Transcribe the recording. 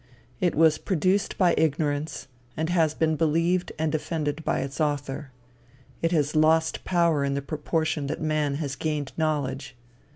It was produced by ignorance, and has been believed and defended by its author. It has lost power in the proportion that man has gained knowledge.